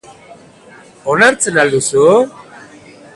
Onartzen al duzu?